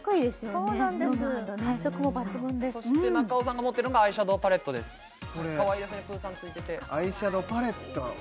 そして中尾さんが持ってるのがアイシャドーパレットですかわいいですね